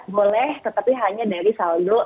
boleh tetapi hanya dari saldo